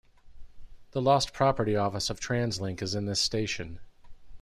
The lost property office of TransLink is in this station.